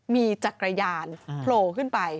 มีจักรยานโผล่ขึ้นไป